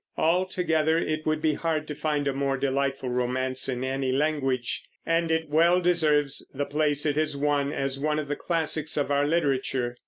Altogether it would be hard to find a more delightful romance in any language, and it well deserves the place it has won as one of the classics of our literature.